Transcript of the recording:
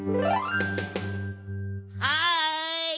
はい！